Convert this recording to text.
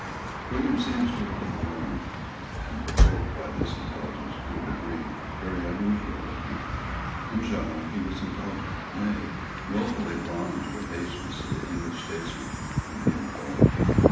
William seems to have been alarmed and provoked by this intelligence to a degree very unusual with him. In general he was indulgent, nay, wilfully blind to the baseness of the English statesmen whom he employed.